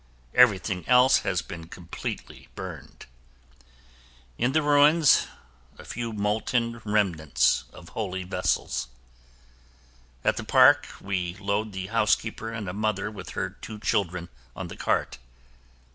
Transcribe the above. Everything else has been completely burned. In the ruins, we find a few molten remnants of holy vessels. At the park, we load the housekeeper and a mother with her two children on the cart.